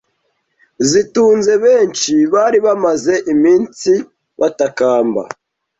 zitunze benshi bari bamaze iminsi batakamba